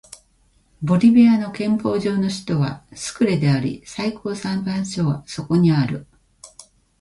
ボリビアの憲法上の首都はスクレであり最高裁判所はそこにある